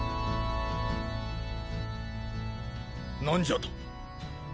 何じゃと？